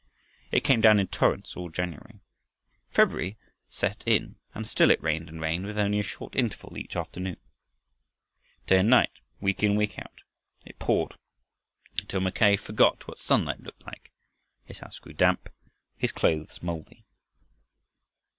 It came down in torrents all January. February set in and still it rained and rained, with only a short interval each afternoon. Day and night, week in, week out, it poured, until Mackay forgot what sunlight looked like, his house grew damp, his clothes moldy.